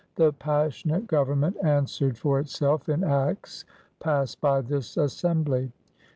The passionate government answered for itself in acts passed by this Assembly.